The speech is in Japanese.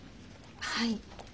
はい。